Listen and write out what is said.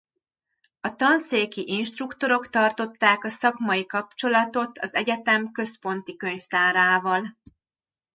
A tanszéki instruktorok tartották a szakmai kapcsolatot az egyetem központi könyvtárával.